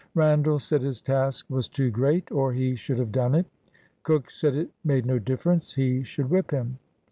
Randall said his task was too great, or he should have done it. Cook said it made no difference, he should whip him.